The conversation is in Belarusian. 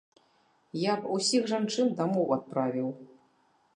Я б усіх жанчын дамоў адправіў.